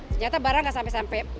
senjata barang nggak sampai sampai